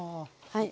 はい。